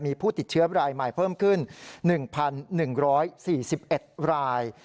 มีผู้ติดเชื้อรายใหม่เพิ่มขึ้นหนึ่งพันหนึ่งร้อยสี่สิบเอ็ดราย